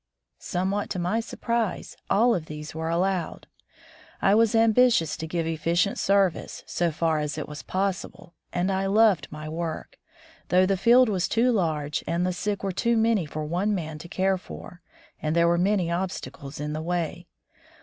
Somewhat to my surprise, all of these were allowed. I was ambitious to give efficient service, so far as it was possible, and I loved my work, though the field was too large and the sick were too many for one man to care for, and there were many obstacles in the way.